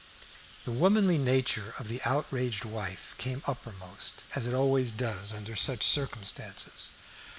The womanly nature of the outraged wife came uppermost, as it always does under such circumstances.